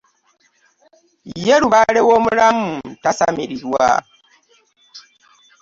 Ye lubaale w'omulamu tasamirirwa .